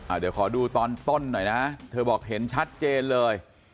เดี๋ยวขอดูตอนต้นหน่อยนะเธอบอกเห็นชัดเจนเลย